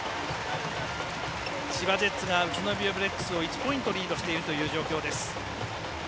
千葉ジェッツが宇都宮ブレックスを１ポイントリードしているという状況です。